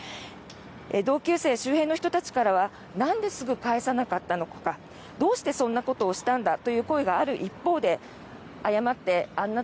同級生、周辺の人たちからはなんですぐ返さなかったのかどうしてそんなことをしたんだという声がある一方で誤ってあんな